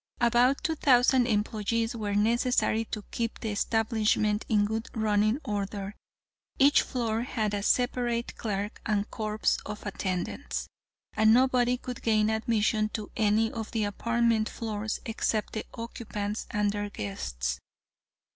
About two thousand employees were necessary to keep the establishment in good running order. Each floor had a separate clerk and corps of attendants, and nobody could gain admission to any of the apartment floors except the occupants and their guests.